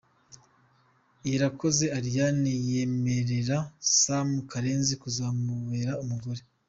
Irakoze Ariane yemerera Sam Karenzi kuzamubera umugore.